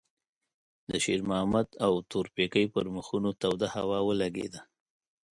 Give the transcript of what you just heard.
د شېرمحمد او تورپيکۍ پر مخونو توده هوا ولګېده.